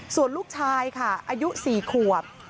ส่วนลูกชายค่ะอายุ๔ขวบ